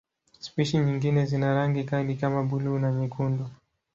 Spishi nyingine zina rangi kali kama buluu na nyekundu.